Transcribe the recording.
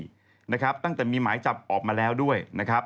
ทุกสอบพอของทางภาค๔ตั้งแต่มีหมายจับออกมาแล้วด้วย